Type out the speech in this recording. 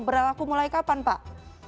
berlaku mulai kapan pak